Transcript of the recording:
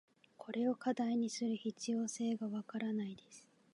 これを課題にする必要性が分からないです。